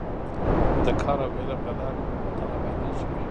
د کار او علم له لارې مو وطن ابادېږي.